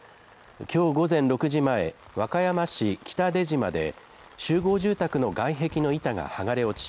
きょう午前６時前和歌山市北出島で集合住宅の外壁の板が剥がれ落ち